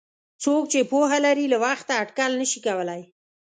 څوک چې پوهه لري له وخته اټکل نشي کولای.